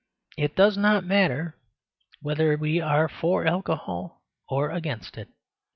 It does not matter whether we are for alcohol or against it.